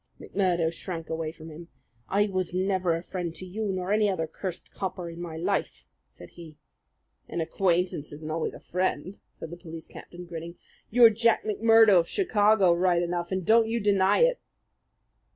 McMurdo shrank away from him. "I was never a friend to you nor any other cursed copper in my life," said he. "An acquaintance isn't always a friend," said the police captain, grinning. "You're Jack McMurdo of Chicago, right enough, and don't you deny it!"